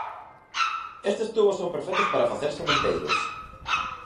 Estes tubos son perfectos para facer sementeiros.